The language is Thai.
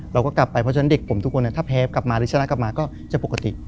เราก็กลับไปเพราะฉะนั้นเด็กผมทุกคนถ้าแพ้กลับมาหรือชนะกลับมาก็จะปกติ